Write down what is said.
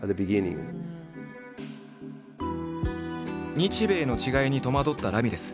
日米の違いに戸惑ったラミレス。